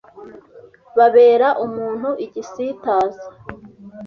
Babera umuntu igisitaza